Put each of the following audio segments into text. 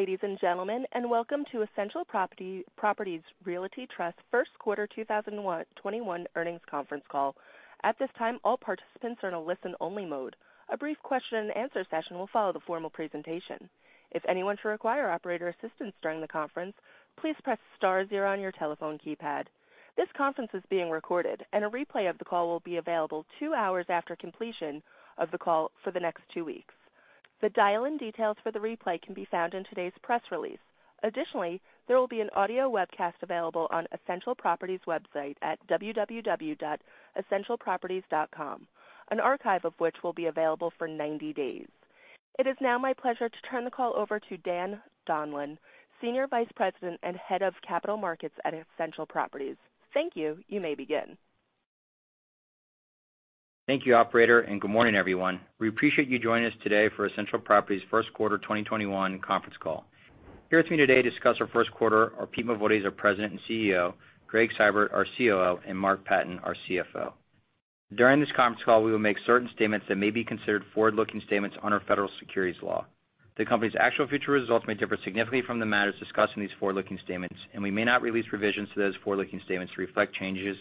Good morning, ladies and gentlemen, and welcome to Essential Properties Realty Trust First Quarter 2021 Earnings Conference Call. At this time, all participants are in a listen-only mode. A brief question and answer session will follow the formal presentation. If anyone should require operator assistance during the conference, please press star zero on your telephone keypad. This conference is being recorded, and a replay of the call will be available two hours after completion of the call for the next two weeks. The dial-in details for the replay can be found in today's press release. Additionally, there will be an audio webcast available on Essential Properties website at www.essentialproperties.com, an archive of which will be available for 90 days. It is now my pleasure to turn the call over to Dan Donlan, Senior Vice President and Head of Capital Markets at Essential Properties. Thank you. You may begin. Thank you, operator, and good morning, everyone. We appreciate you joining us today for Essential Properties' first quarter 2021 conference call. Here with me today to discuss our first quarter are Pete Mavoides, our President and Chief Executive Officer, Gregg Seibert, our Chief Operating Officer, and Mark Patten, our Chief Financial Officer. During this conference call, we will make certain statements that may be considered forward-looking statements under federal securities law. The company's actual future results may differ significantly from the matters discussed in these forward-looking statements, and we may not release revisions to those forward-looking statements to reflect changes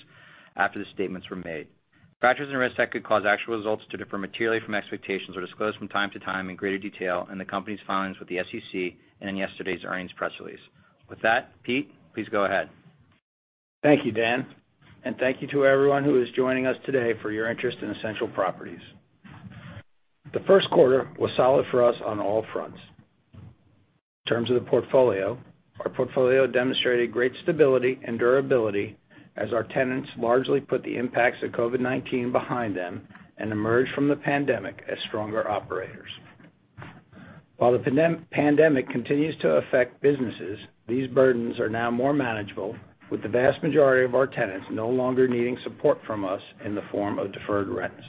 after the statements were made. Factors and risks that could cause actual results to differ materially from expectations are disclosed from time to time in greater detail in the company's filings with the SEC and in yesterday's earnings press release. With that, Pete Mavoides, please go ahead. Thank you, Dan, and thank you to everyone who is joining us today for your interest in Essential Properties. The first quarter was solid for us on all fronts. In terms of the portfolio, our portfolio demonstrated great stability and durability as our tenants largely put the impacts of COVID-19 behind them and emerged from the pandemic as stronger operators. While the pandemic continues to affect businesses, these burdens are now more manageable, with the vast majority of our tenants no longer needing support from us in the form of deferred rents.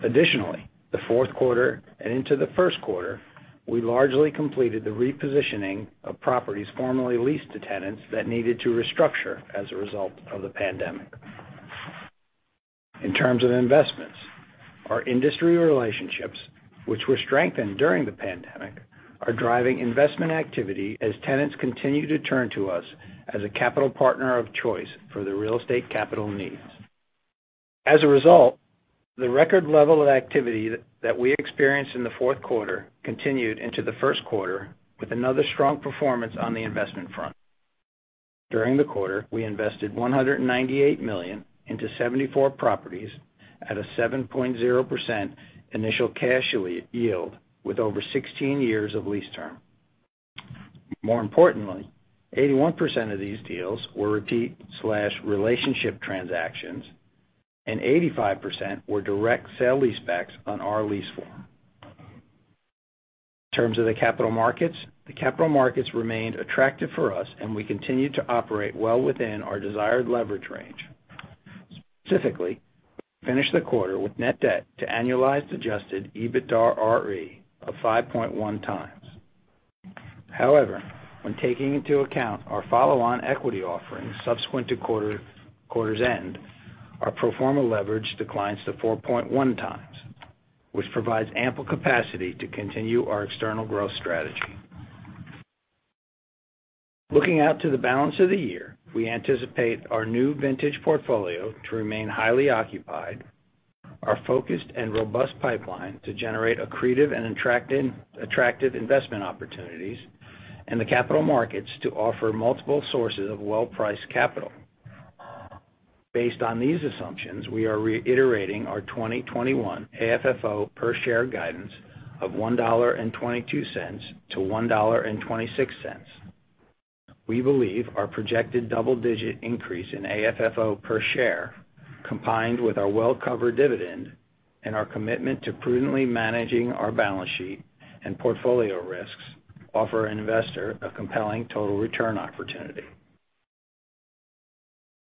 Additionally, the fourth quarter and into the first quarter, we largely completed the repositioning of properties formerly leased to tenants that needed to restructure as a result of the pandemic. In terms of investments, our industry relationships, which were strengthened during the pandemic, are driving investment activity as tenants continue to turn to us as a capital partner of choice for their real estate capital needs. As a result, the record level of activity that we experienced in the fourth quarter continued into the first quarter with another strong performance on the investment front. During the quarter, we invested $198 million into 74 properties at a 7.0% initial cash yield with over 16 years of lease term. More importantly, 81% of these deals were repeat/relationship transactions, and 85% were direct sale-leasebacks on our lease form. In terms of the capital markets, the capital markets remained attractive for us, and we continued to operate well within our desired leverage range. Specifically, we finished the quarter with net debt to annualized adjusted EBITDAre of 5.1x. However, when taking into account our follow-on equity offering subsequent to quarter's end, our pro forma leverage declines to 4.1x, which provides ample capacity to continue our external growth strategy. Looking out to the balance of the year, we anticipate our new vintage portfolio to remain highly occupied, our focused and robust pipeline to generate accretive and attractive investment opportunities, and the capital markets to offer multiple sources of well-priced capital. Based on these assumptions, we are reiterating our 2021 Adjusted Funds From Operations per share guidance of $1.22-$1.26. We believe our projected double-digit increase in AFFO per share, combined with our well-covered dividend and our commitment to prudently managing our balance sheet and portfolio risks, offer an investor a compelling total return opportunity.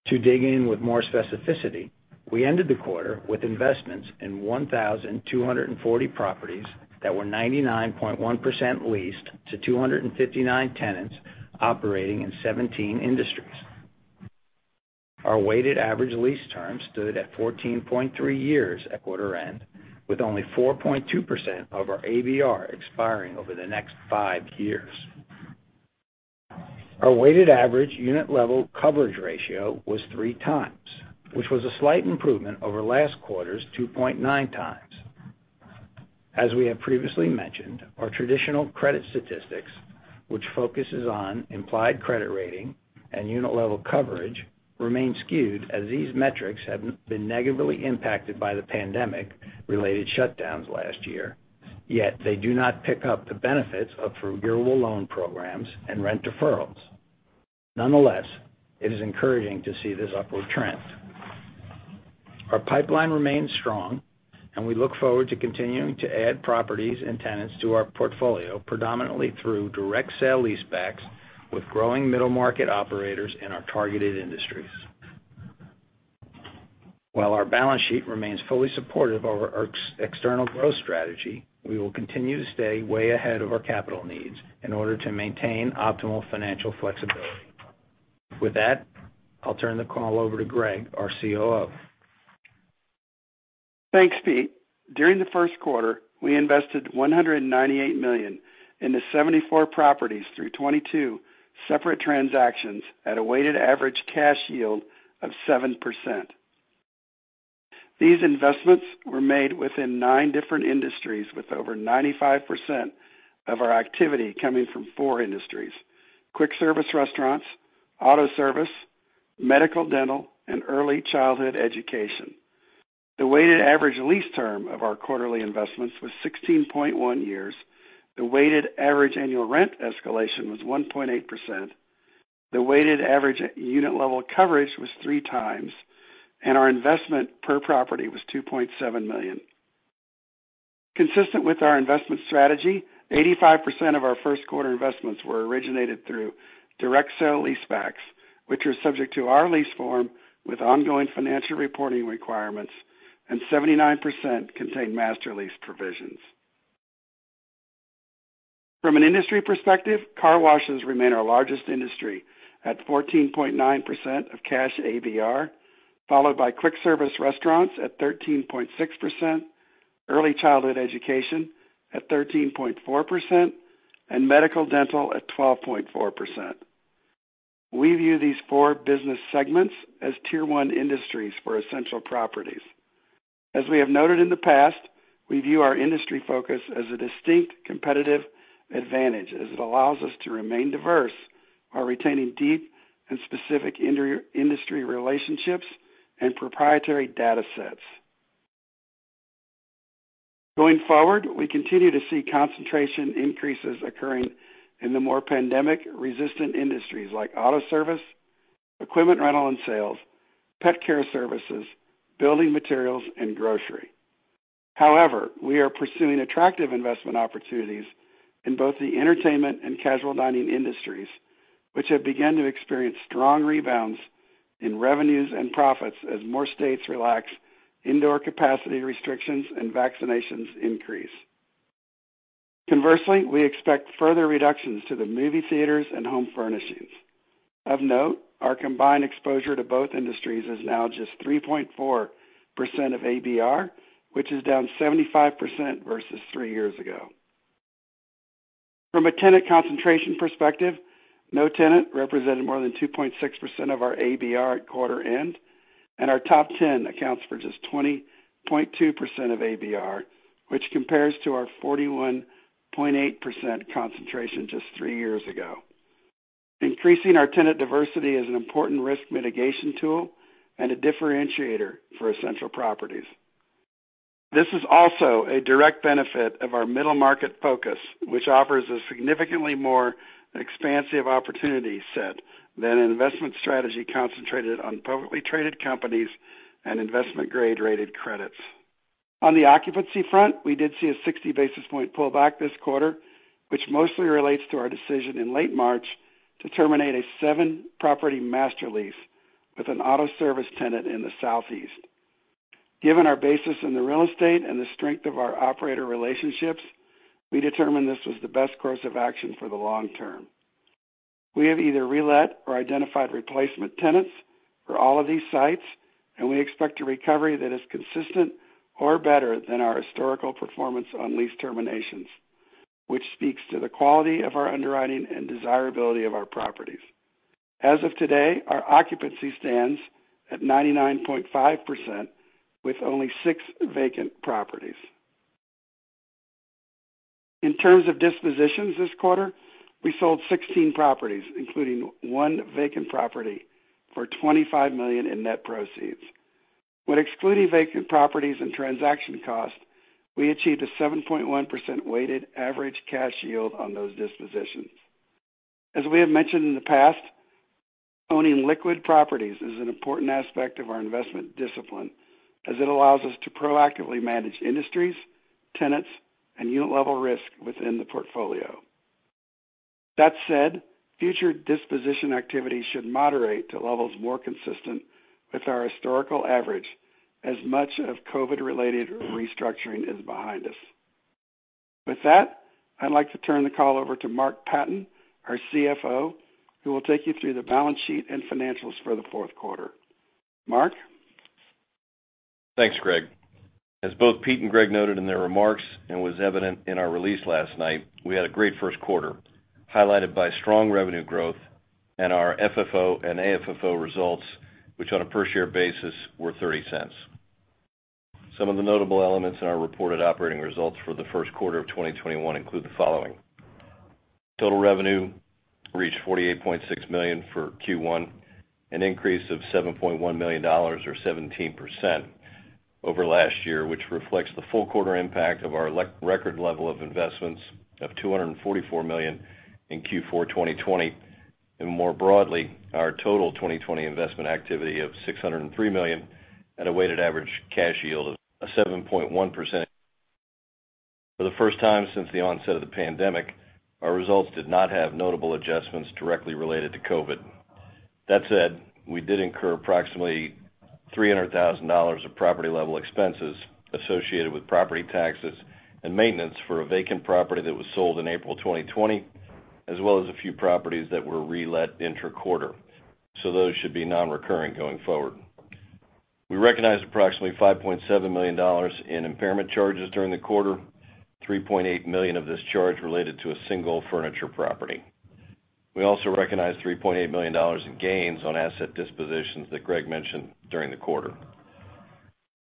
To dig in with more specificity, we ended the quarter with investments in 1,240 properties that were 99.1% leased to 259 tenants operating in 17 industries. Our weighted average lease term stood at 14.3 years at quarter end, with only 4.2% of our Annualized Base Rent expiring over the next five years. Our weighted average unit-level coverage ratio was three times, which was a slight improvement over last quarter's 2.9x. As we have previously mentioned, our traditional credit statistics, which focuses on implied credit rating and unit-level coverage, remain skewed as these metrics have been negatively impacted by the pandemic-related shutdowns last year. Yet they do not pick up the benefits of forgivable loan programs and rent deferrals. Nonetheless, it is encouraging to see this upward trend. Our pipeline remains strong, and we look forward to continuing to add properties and tenants to our portfolio, predominantly through direct sale-leasebacks with growing middle-market operators in our targeted industries. While our balance sheet remains fully supportive of our external growth strategy, we will continue to stay way ahead of our capital needs in order to maintain optimal financial flexibility. With that, I'll turn the call over to Gregg Seibert, our COO. Thanks, Pete. During the first quarter, we invested $198 million into 74 properties through 22 separate transactions at a weighted average cash yield of 7%. These investments were made within nine different industries, with over 95% of our activity coming from four industries: quick service restaurants, auto service, medical/dental, and early childhood education. The weighted average lease term of our quarterly investments was 16.1 years. The weighted average annual rent escalation was 1.8%. The weighted average unit level coverage was 3x, and our investment per property was $2.7 million. Consistent with our investment strategy, 85% of our first quarter investments were originated through direct sale-leasebacks, which are subject to our lease form with ongoing financial reporting requirements, and 79% contain master lease provisions. From an industry perspective, car washes remain our largest industry at 14.9% of cash ABR, followed by quick service restaurants at 13.6%, early childhood education at 13.4%, and medical/dental at 12.4%. We view these four business segments as Tier 1 industries for Essential Properties. As we have noted in the past, we view our industry focus as a distinct competitive advantage, as it allows us to remain diverse while retaining deep and specific industry relationships and proprietary data sets. Going forward, we continue to see concentration increases occurring in the more pandemic-resistant industries like auto service, equipment rental and sales, pet care services, building materials, and grocery. However, we are pursuing attractive investment opportunities in both the entertainment and casual dining industries, which have begun to experience strong rebounds in revenues and profits as more states relax indoor capacity restrictions and vaccinations increase. Conversely, we expect further reductions to the movie theaters and home furnishings. Of note, our combined exposure to both industries is now just 3.4% of ABR, which is down 75% versus three years ago. From a tenant concentration perspective, no tenant represented more than 2.6% of our ABR at quarter end, and our top 10 accounts for just 20.2% of ABR, which compares to our 41.8% concentration just three years ago. Increasing our tenant diversity is an important risk mitigation tool and a differentiator for Essential Properties. This is also a direct benefit of our middle market focus, which offers a significantly more expansive opportunity set than an investment strategy concentrated on publicly traded companies and investment grade-rated credits. On the occupancy front, we did see a 60 basis points pullback this quarter, which mostly relates to our decision in late March to terminate a seven-property master lease with an auto service tenant in the Southeast. Given our basis in the real estate and the strength of our operator relationships, we determined this was the best course of action for the long term. We have either relet or identified replacement tenants for all of these sites, and we expect a recovery that is consistent or better than our historical performance on lease terminations, which speaks to the quality of our underwriting and desirability of our properties. As of today, our occupancy stands at 99.5% with only six vacant properties. In terms of dispositions this quarter, we sold 16 properties, including one vacant property, for $25 million in net proceeds. When excluding vacant properties and transaction costs, we achieved a 7.1% weighted average cash yield on those dispositions. As we have mentioned in the past, owning liquid properties is an important aspect of our investment discipline, as it allows us to proactively manage industries, tenants, and unit-level risk within the portfolio. That said, future disposition activity should moderate to levels more consistent with our historical average, as much of COVID-related restructuring is behind us. With that, I'd like to turn the call over to Mark Patten, our CFO, who will take you through the balance sheet and financials for the fourth quarter. Mark? Thanks, Gregg. As both Pete and Gregg noted in their remarks and was evident in our release last night, we had a great first quarter, highlighted by strong revenue growth and our FFO and AFFO results, which on a per-share basis were $0.30. Some of the notable elements in our reported operating results for the first quarter of 2021 include the following. Total revenue reached $48.6 million for Q1, an increase of $7.1 million or 17% over last year, which reflects the full quarter impact of our record level of investments of $244 million in Q4 2020, and more broadly, our total 2020 investment activity of $603 million at a weighted average cash yield of 7.1%. For the first time since the onset of the pandemic, our results did not have notable adjustments directly related to COVID. We did incur approximately $300,000 of property-level expenses associated with property taxes and maintenance for a vacant property that was sold in April 2020, as well as a few properties that were relet intra-quarter. Those should be non-recurring going forward. We recognized approximately $5.7 million in impairment charges during the quarter, $3.8 million of this charge related to a single furniture property. We also recognized $3.8 million in gains on asset dispositions that Gregg mentioned during the quarter.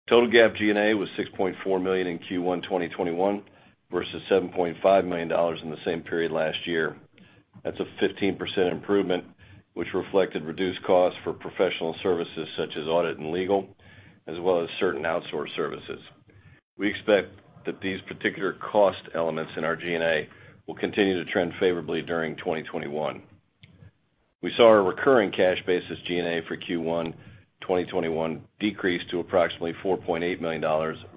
Total GAAP G&A was $6.4 million in Q1 2021 versus $7.5 million in the same period last year. That's a 15% improvement, which reflected reduced costs for professional services such as audit and legal, as well as certain outsourced services. We expect that these particular cost elements in our G&A will continue to trend favorably during 2021. We saw our recurring cash basis G&A for Q1 2021 decrease to approximately $4.8 million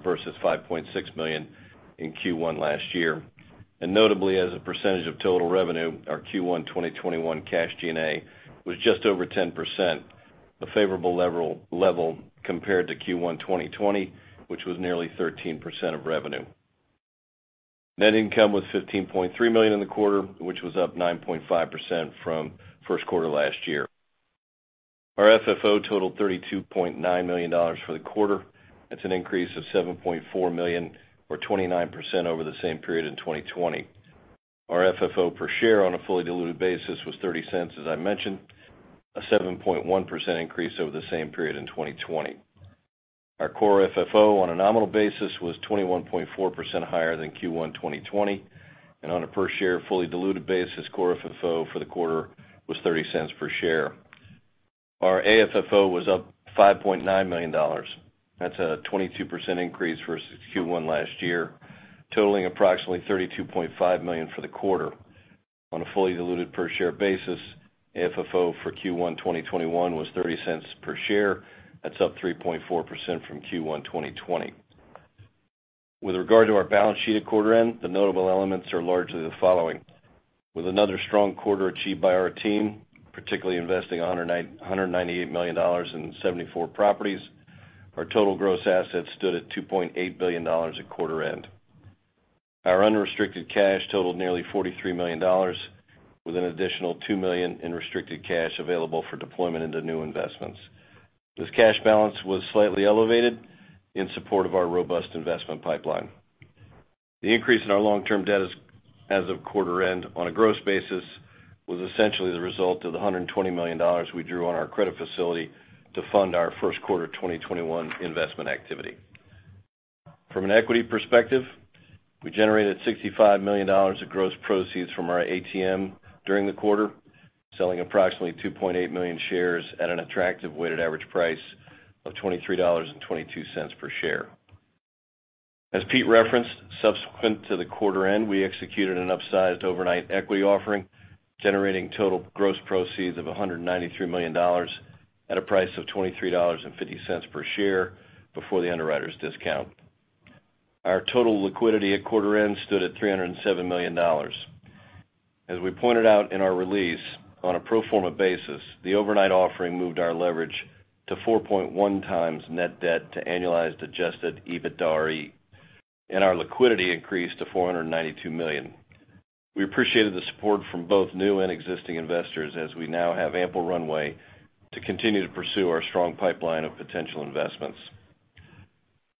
versus $5.6 million in Q1 last year. Notably, as a percentage of total revenue, our Q1 2021 cash G&A was just over 10%, a favorable level compared to Q1 2020, which was nearly 13% of revenue. Net income was $15.3 million in the quarter, which was up 9.5% from first quarter last year. Our FFO totaled $32.9 million for the quarter. That's an increase of $7.4 million or 29% over the same period in 2020. Our FFO per share on a fully diluted basis was $0.30, as I mentioned, a 7.1% increase over the same period in 2020. Our core FFO on a nominal basis was 21.4% higher than Q1 2020, and on a per share fully diluted basis, core FFO for the quarter was $0.30 per share. Our AFFO was up $5.9 million. That's a 22% increase versus Q1 last year, totaling approximately $32.5 million for the quarter. On a fully diluted per share basis, AFFO for Q1 2021 was $0.30 per share. That's up 3.4% from Q1 2020. With regard to our balance sheet at quarter end, the notable elements are largely the following. With another strong quarter achieved by our team, particularly investing $198 million in 74 properties, our total gross assets stood at $2.8 billion at quarter end. Our unrestricted cash totaled nearly $43 million, with an additional $2 million in restricted cash available for deployment into new investments. This cash balance was slightly elevated in support of our robust investment pipeline. The increase in our long-term debt as of quarter end on a gross basis was essentially the result of the $120 million we drew on our credit facility to fund our first quarter 2021 investment activity. From an equity perspective, we generated $65 million of gross proceeds from our at-the-market during the quarter, selling approximately 2.8 million shares at an attractive weighted average price of $23.22 per share. As Pete referenced, subsequent to the quarter end, we executed an upsized overnight equity offering, generating total gross proceeds of $193 million at a price of $23.50 per share before the underwriter's discount. Our total liquidity at quarter end stood at $307 million. As we pointed out in our release, on a pro forma basis, the overnight offering moved our leverage to 4.1 times net debt to annualized adjusted EBITDAre. Our liquidity increased to $492 million. We appreciated the support from both new and existing investors as we now have ample runway to continue to pursue our strong pipeline of potential investments.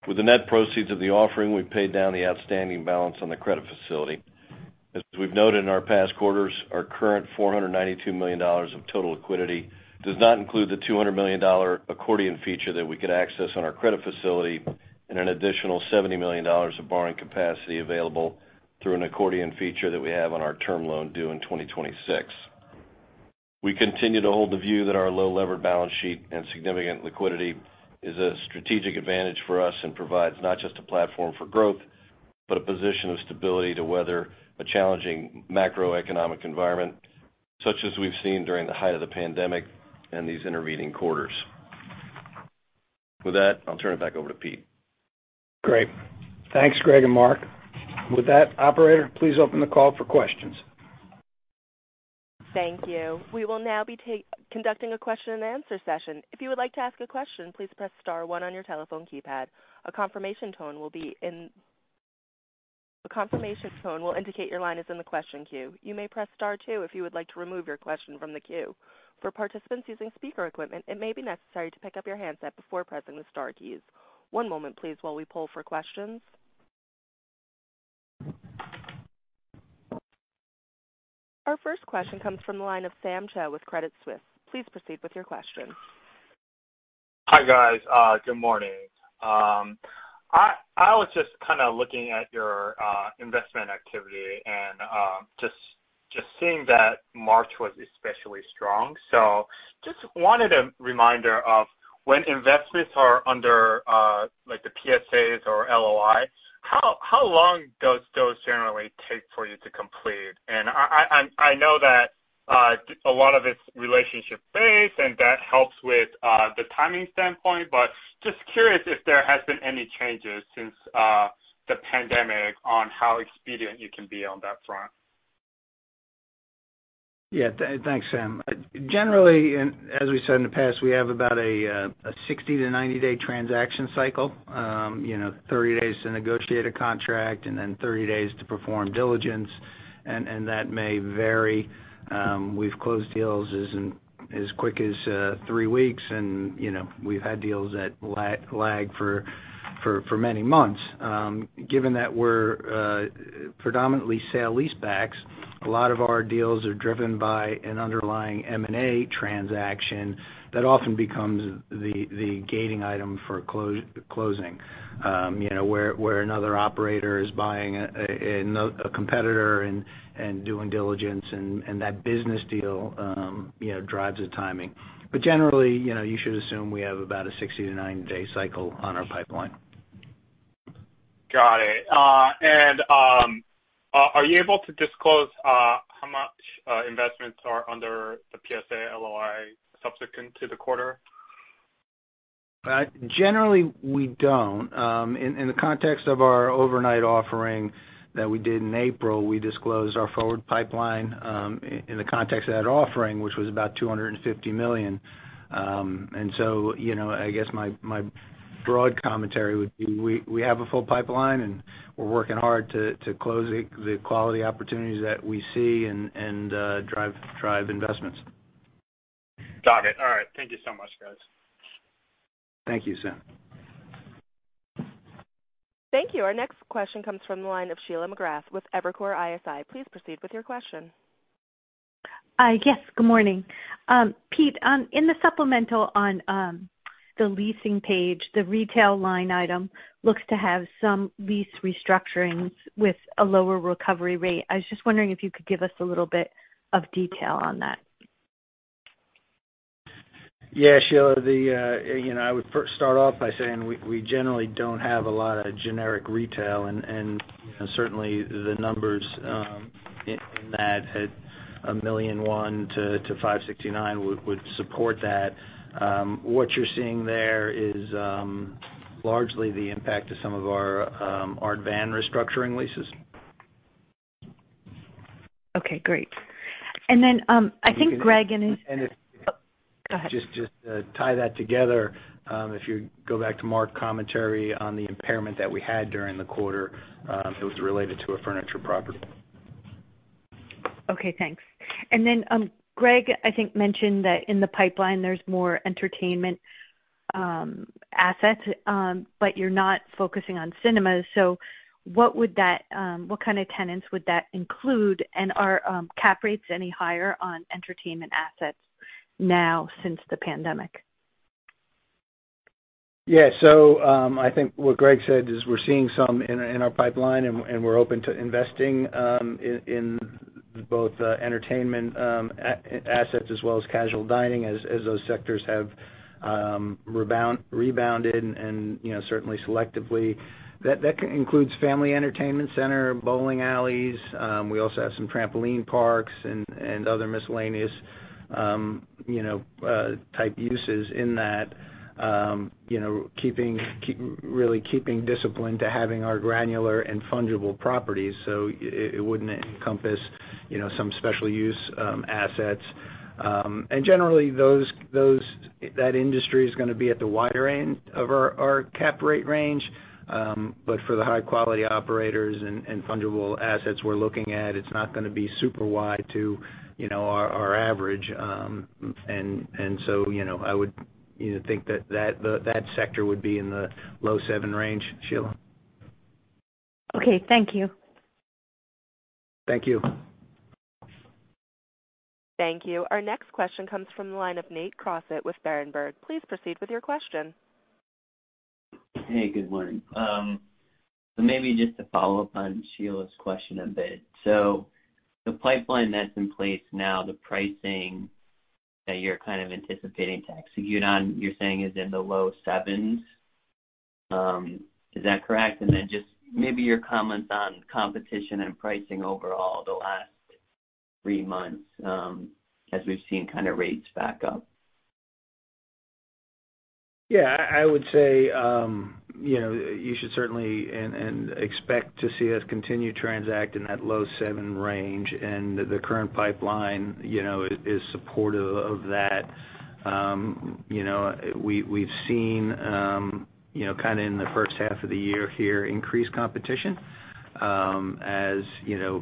With the net proceeds of the offering, we paid down the outstanding balance on the credit facility. As we've noted in our past quarters, our current $492 million of total liquidity does not include the $200 million accordion feature that we could access on our credit facility and an additional $70 million of borrowing capacity available through an accordion feature that we have on our term loan due in 2026. We continue to hold the view that our low lever balance sheet and significant liquidity is a strategic advantage for us and provides not just a platform for growth, but a position of stability to weather a challenging macroeconomic environment, such as we've seen during the height of the pandemic and these intervening quarters. With that, I'll turn it back over to Pete. Great. Thanks, Gregg and Mark. With that, operator, please open the call for questions. Thank you. We will now be conducting a question and answer session. If you would like to ask a question, please press star one on your telephone keypad. A confirmation tone will indicate your line is in the question queue. You may press star two if you would like to remove your question from the queue. For participants using speaker equipment, it may be necessary to pick up your handset before pressing the star keys. One moment, please, while we poll for questions. Our first question comes from the line of Sam Choe with Credit Suisse. Please proceed with your question. Hi, guys. Good morning. I was just kind of looking at your investment activity and just seeing that March was especially strong. Just wanted a reminder of when investments are under the Purchase and Sale Agreements or Letter of Intent, how long does those generally take for you to complete? And I know that a lot of it's relationship based, and that helps with the timing standpoint, but just curious if there has been any changes since the pandemic on how expedient you can be on that front. Yeah. Thanks, Sam. Generally, as we said in the past, we have about a 60-90 day transaction cycle. 30 days to negotiate a contract and then 30 days to perform diligence, and that may vary. We've closed deals as quick as three weeks, and we've had deals that lag for many months. Given that we're predominantly sale-leasebacks, a lot of our deals are driven by an underlying M&A transaction that often becomes the gating item for closing where another operator is buying a competitor and doing diligence, and that business deal drives the timing. Generally, you should assume we have about a 60-90 day cycle on our pipeline. Got it. Are you able to disclose how much investments are under the PSA LOI subsequent to the quarter? Generally, we don't. In the context of our overnight offering that we did in April, we disclosed our forward pipeline in the context of that offering, which was about $250 million. I guess my broad commentary would be, we have a full pipeline, and we're working hard to close the quality opportunities that we see and drive investments. Got it. All right. Thank you so much, guys. Thank you, Sam. Thank you. Our next question comes from the line of Sheila McGrath with Evercore ISI. Please proceed with your question. Yes. Good morning. Pete, in the supplemental on the leasing page, the retail line item looks to have some lease restructurings with a lower recovery rate. I was just wondering if you could give us a little bit of detail on that. Yeah, Sheila. I would first start off by saying we generally don't have a lot of generic retail, and certainly the numbers in that at $1.1 million- would support that. What you're seeing there is largely the impact of some of Art Van restructuring leases. Okay, great. Then, I think Gregg. Go ahead. Just to tie that together, if you go back to Mark commentary on the impairment that we had during the quarter, it was related to a furniture property. Okay, thanks. Gregg, I think, mentioned that in the pipeline there's more entertainment assets, but you're not focusing on cinemas. What kind of tenants would that include, and are cap rates any higher on entertainment assets now since the pandemic? I think what Gregg Seibert said is we're seeing some in our pipeline, we're open to investing in both entertainment assets as well as casual dining as those sectors have rebounded, and certainly selectively. That includes family entertainment center, bowling alleys. We also have some trampoline parks and other miscellaneous type uses in that. Really keeping discipline to having our granular and fungible properties, so it wouldn't encompass some special use assets. Generally, that industry is going to be at the wider end of our cap rate range. But for the high-quality operators and fungible assets we're looking at, it's not going to be super wide to our average. I would think that sector would be in the low 7% range, Sheila McGrath. Okay. Thank you. Thank you. Thank you. Our next question comes from the line of Nate Crossett with Berenberg. Please proceed with your question. Hey, good morning. Maybe just to follow up on Sheila's question a bit. The pipeline that's in place now, the pricing that you're kind of anticipating to execute on, you're saying is in the low sevens. Is that correct? Then just maybe your comments on competition and pricing overall the last three months, as we've seen kind of rates back up. Yeah. I would say, you should certainly expect to see us continue to transact in that low seven range, and the current pipeline is supportive of that. We've seen kind of in the first half of the year here increased competition. As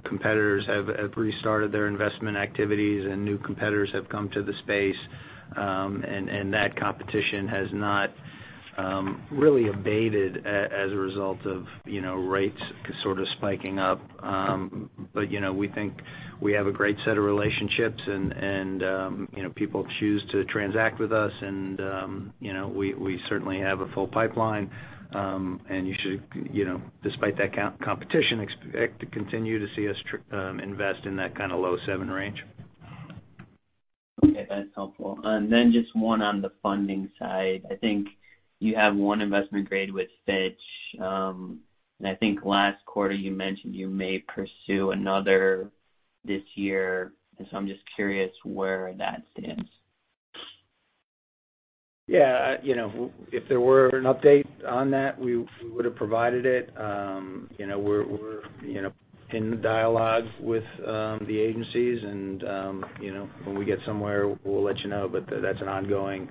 competitors have restarted their investment activities and new competitors have come to the space, and that competition has not really abated as a result of rates sort of spiking up. We think we have a great set of relationships, and people choose to transact with us, and we certainly have a full pipeline. You should, despite that competition, expect to continue to see us invest in that kind of low seven range. Okay. That's helpful. Just one on the funding side. I think you have one investment grade with Fitch. I think last quarter you mentioned you may pursue another this year. I'm just curious where that stands. Yeah. If there were an update on that, we would've provided it. We're in dialogue with the agencies and when we get somewhere, we'll let you know. That's an ongoing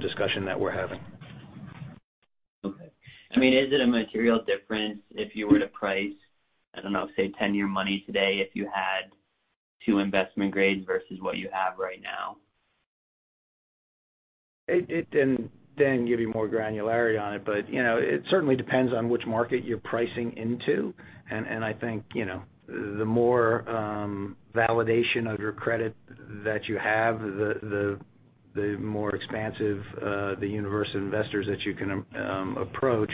discussion that we're having. Okay. Is it a material difference if you were to price, I don't know, say, 10-year money today if you had two investment grades versus what you have right now? Dan can give you more granularity on it, but it certainly depends on which market you're pricing into. I think the more validation of your credit that you have, the more expansive the universe of investors that you can approach.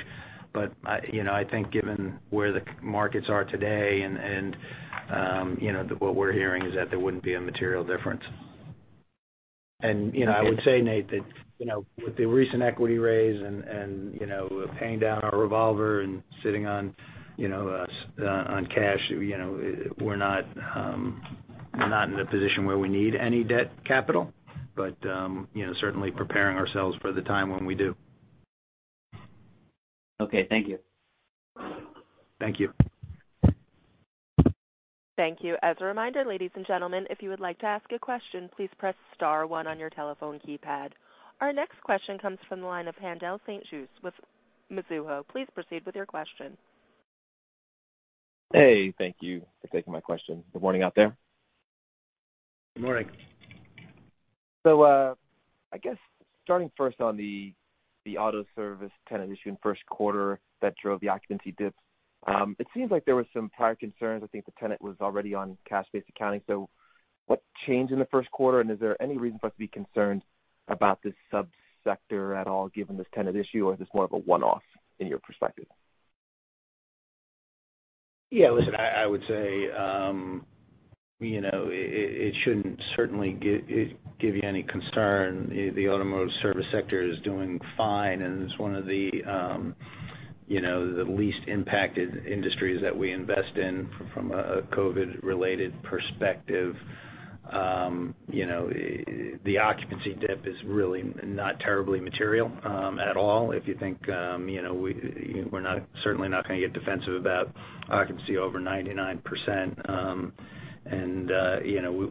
I think given where the markets are today and what we're hearing is that there wouldn't be a material difference. I would say, Nate, that with the recent equity raise and paying down our revolver and sitting on cash, we're not in a position where we need any debt capital, but certainly preparing ourselves for the time when we do. Okay. Thank you. Thank you. Thank you. As a reminder, ladies and gentlemen, if you would like to ask a question, please press star one on your telephone keypad. Our next question comes from the line of Haendel St. Juste with Mizuho. Please proceed with your question. Hey, thank you for taking my question. Good morning out there. Good morning. I guess starting first on the auto service tenant issue in first quarter that drove the occupancy dip. It seems like there was some prior concerns. I think the tenant was already on cash-based accounting. What changed in the first quarter, and is there any reason for us to be concerned about this sub-sector at all, given this tenant issue, or is this more of a one-off in your perspective? Yeah. Listen, I would say it shouldn't certainly give you any concern. The automotive service sector is doing fine, and it's one of the least impacted industries that we invest in from a COVID-related perspective. The occupancy dip is really not terribly material at all. If you think we're certainly not going to get defensive about occupancy over 99%.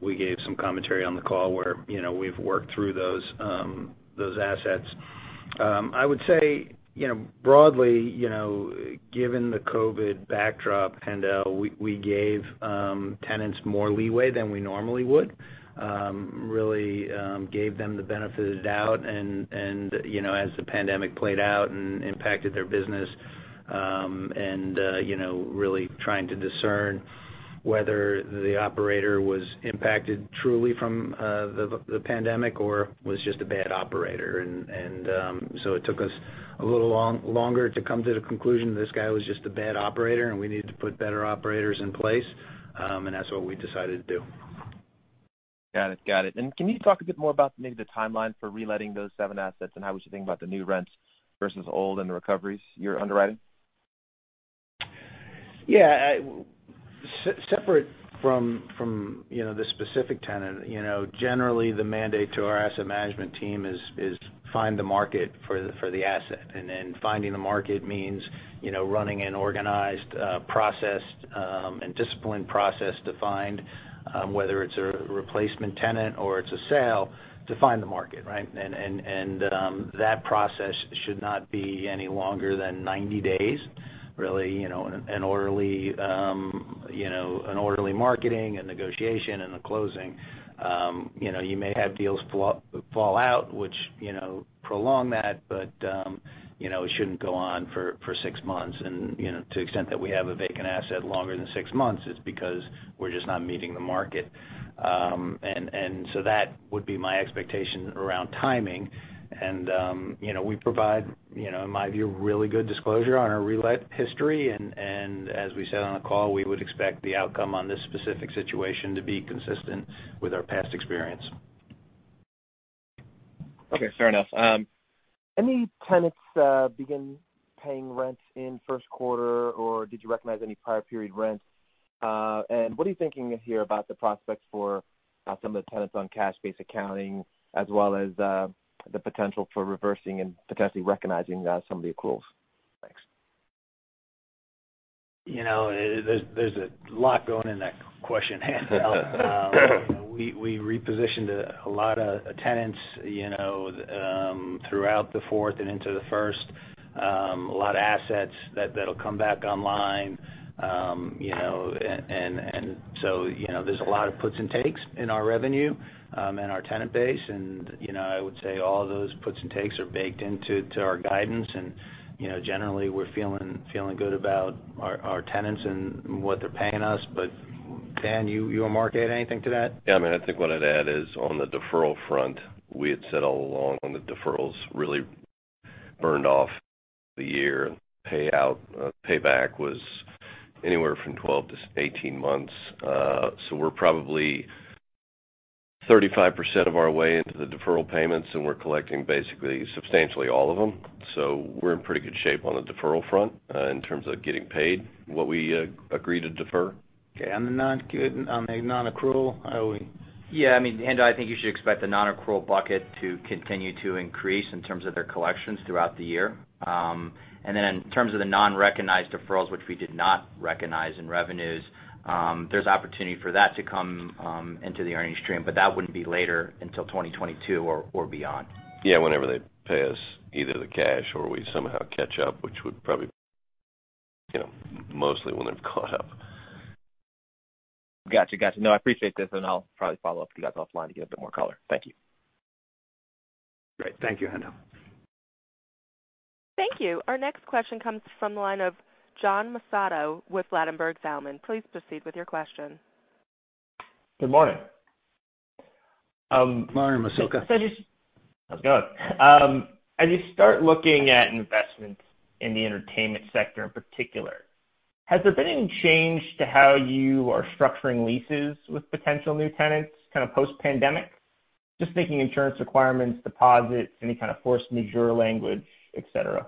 We gave some commentary on the call where we've worked through those assets. I would say broadly, given the COVID backdrop, Haendel, we gave tenants more leeway than we normally would. Really gave them the benefit of the doubt, and as the pandemic played out and impacted their business, and really trying to discern whether the operator was impacted truly from the pandemic or was just a bad operator. It took us a little longer to come to the conclusion that this guy was just a bad operator, and we needed to put better operators in place. That's what we decided to do. Got it. Can you talk a bit more about maybe the timeline for reletting those seven assets, and how was you thinking about the new rents versus old and the recoveries you're underwriting? Yeah. Separate from the specific tenant, generally the mandate to our asset management team is find the market for the asset, and then finding the market means running an organized process and disciplined process to find whether it's a replacement tenant or it's a sale to find the market, right? That process should not be any longer than 90 days, really, an orderly marketing and negotiation, and the closing. You may have deals fall out, which prolong that. It shouldn't go on for six months. To the extent that we have a vacant asset longer than six months, it's because we're just not meeting the market. So that would be my expectation around timing. We provide, in my view, really good disclosure on our relet history. As we said on the call, we would expect the outcome on this specific situation to be consistent with our past experience. Okay. Fair enough. Any tenants begin paying rent in first quarter or did you recognize any prior period rents? What are you thinking here about the prospects for some of the tenants on cash-based accounting as well as the potential for reversing and potentially recognizing some of the accruals? Thanks. There's a lot going in that question, Haendel. We repositioned a lot of tenants throughout the fourth and into the first. A lot of assets that'll come back online. There's a lot of puts and takes in our revenue and our tenant base. I would say all those puts and takes are baked into our guidance. Generally, we're feeling good about our tenants and what they're paying us. Dan, you or Mark add anything to that? Yeah. I think what I'd add is on the deferral front, we had said all along the deferrals really burned off the year, and payback was anywhere from 12 -18 months. We're probably 35% of our way into the deferral payments, and we're collecting basically substantially all of them. We're in pretty good shape on the deferral front in terms of getting paid what we agree to defer. Okay. On the non-accrual, how are we? Yeah. I think you should expect the non-accrual bucket to continue to increase in terms of their collections throughout the year. In terms of the non-recognized deferrals, which we did not recognize in revenues, there's opportunity for that to come into the earning stream, but that wouldn't be later until 2022 or beyond. Yeah. Whenever they pay us either the cash or we somehow catch up, which would probably be mostly when they've caught up. Got you. No, I appreciate this, and I'll probably follow up with you guys offline to get a bit more color. Thank you. Great. Thank you, Haendel. Thank you. Our next question comes from the line of John Massocca with Ladenburg Thalmann. Please proceed with your question. Good morning. Morning, Massocca How's it going? As you start looking at investments in the entertainment sector in particular, has there been any change to how you are structuring leases with potential new tenants kind of post-pandemic? Just thinking insurance requirements, deposits, any kind of force majeure language, et cetera.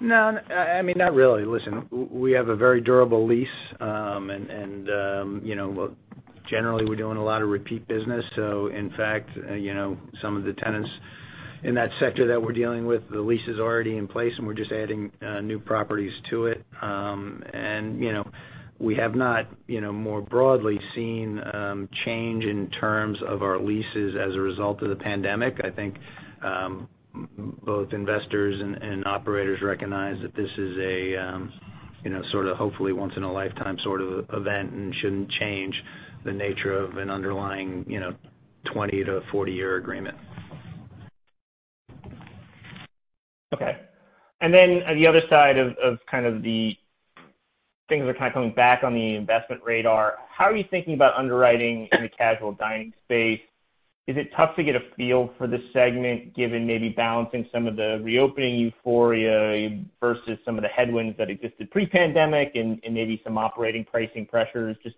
No, not really. Listen, we have a very durable lease. Generally, we're doing a lot of repeat business. In fact some of the tenants in that sector that we're dealing with, the lease is already in place, and we're just adding new properties to it. We have not more broadly seen change in terms of our leases as a result of the pandemic. I think both investors and operators recognize that this is a sort of, hopefully, once in a lifetime sort of event and shouldn't change the nature of an underlying 20-40 year agreement. Okay. The other side of kind of the things that are kind of coming back on the investment radar, how are you thinking about underwriting in the casual dining space? Is it tough to get a feel for the segment, given maybe balancing some of the reopening euphoria versus some of the headwinds that existed pre-pandemic and maybe some operating pricing pressures? Just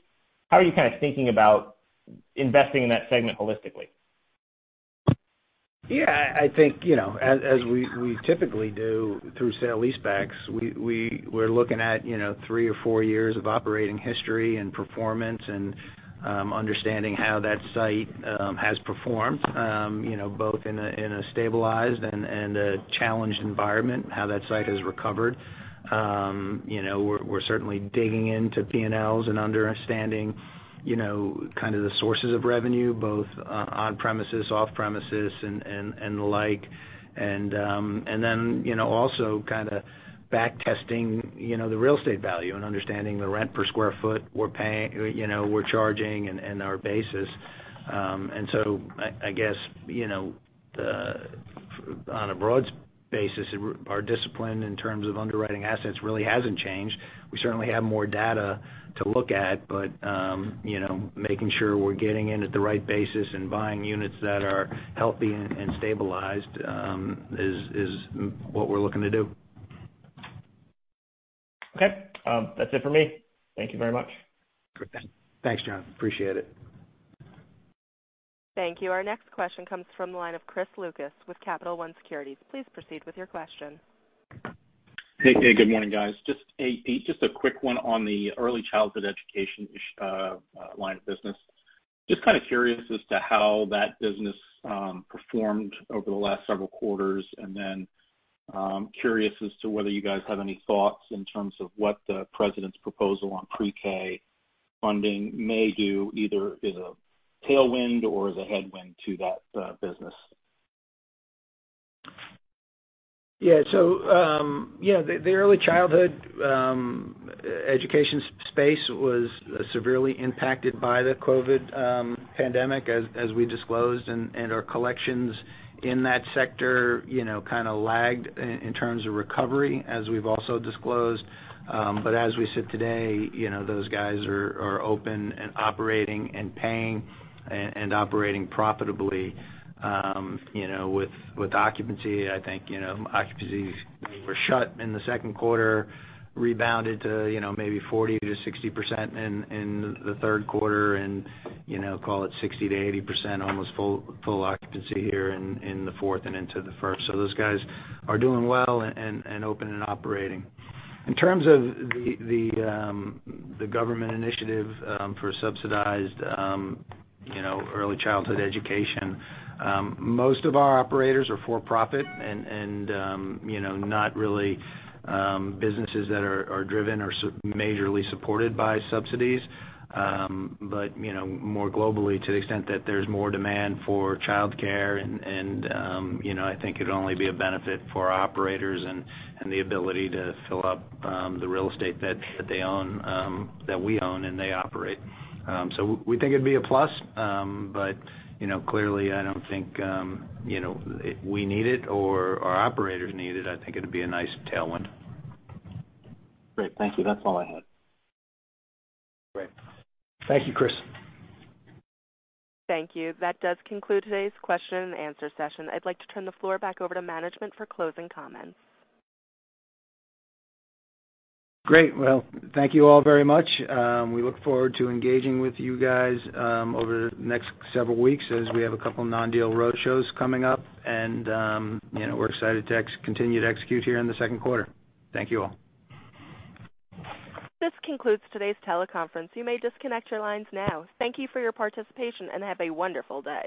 how are you kind of thinking about investing in that segment holistically? Yeah, I think as we typically do through sale-leasebacks, we're looking at three or four years of operating history and performance and understanding how that site has performed both in a stabilized and a challenged environment, how that site has recovered. We're certainly digging into P&Ls and understanding kind of the sources of revenue, both on-premises, off-premises, and the like. Also kind of back testing the real estate value and understanding the rent per square foot we're charging and our basis. I guess on a broad basis, our discipline in terms of underwriting assets really hasn't changed. We certainly have more data to look at, but making sure we're getting in at the right basis and buying units that are healthy and stabilized is what we're looking to do. Okay. That's it for me. Thank you very much. Great. Thanks, John. Appreciate it. Thank you. Our next question comes from the line of Chris Lucas with Capital One Securities. Please proceed with your question. Hey. Good morning, guys. Just a quick one on the early childhood education line of business. Just kind of curious as to how that business performed over the last several quarters, and then curious as to whether you guys have any thoughts in terms of what the president's proposal on pre-K funding may do, either as a tailwind or as a headwind to that business. Yeah. The early childhood education space was severely impacted by the COVID pandemic, as we disclosed, and our collections in that sector kind of lagged in terms of recovery, as we've also disclosed. As we sit today, those guys are open and operating and paying and operating profitably. With occupancy, I think occupancies were shut in the second quarter, rebounded to maybe 40%-60% in the third quarter, and call it 60%-80%, almost full occupancy here in the fourth and into the first. Those guys are doing well and open and operating. In terms of the government initiative for subsidized early childhood education, most of our operators are for-profit and not really businesses that are driven or majorly supported by subsidies. More globally, to the extent that there's more demand for childcare and I think it'd only be a benefit for our operators and the ability to fill up the real estate that we own and they operate. We think it'd be a plus, but clearly I don't think we need it or our operators need it. I think it'd be a nice tailwind. Great. Thank you. That's all I had. Great. Thank you, Chris. Thank you. That does conclude today's question and answer session. I'd like to turn the floor back over to management for closing comments. Great. Well, thank you all very much. We look forward to engaging with you guys over the next several weeks as we have a couple non-deal roadshows coming up, and we're excited to continue to execute here in the second quarter. Thank you all. This concludes today's teleconference. You may disconnect your lines now. Thank you for your participation, and have a wonderful day.